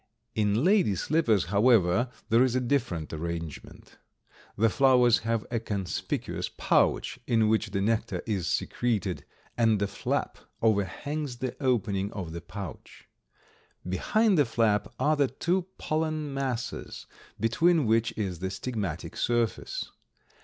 In Lady slippers, however, there is a different arrangement. The flowers have a conspicuous pouch in which the nectar is secreted, and a flap overhangs the opening of the pouch. Behind the flap are the two pollen masses, between which is the stigmatic surface.